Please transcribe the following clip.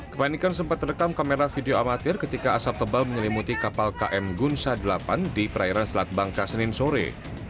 kepanikan sempat terekam kamera video amatir ketika asap tebal menyelimuti kapal km gunsa delapan di perairan selat bangka senin sore